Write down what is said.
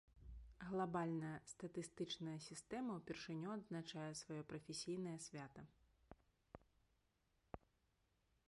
Глабальная статыстычная сістэма ўпершыню адзначае сваё прафесійнае свята.